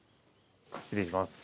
失礼します。